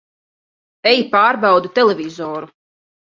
Ej pārbaudi televizoru!